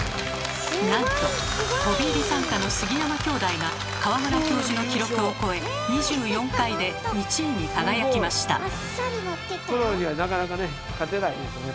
なんと飛び入り参加の杉山兄弟が川村教授の記録を超え２４回で１位に輝きました。